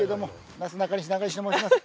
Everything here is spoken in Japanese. なすなかにし中西と申します。